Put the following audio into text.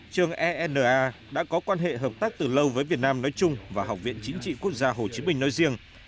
trường ena đã có quan hệ hợp tác từ lâu với việt nam nói chung và học viện chính trị quốc gia hồ chí minh nói riêng